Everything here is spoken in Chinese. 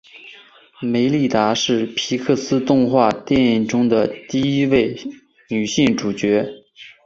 梅莉达是皮克斯动画电影中的第一位女性主角。